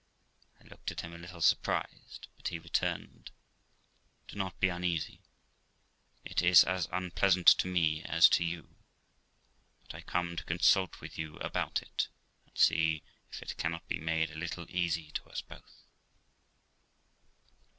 I looked at him a little surprised ; but he returned, 'Do not be uneasy; it is as unpleasant to me as to you, but I come to consult with you about it, and see if it cannot be made a little easy to us both.'